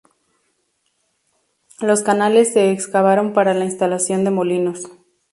Los canales se excavaron para la instalación de molinos.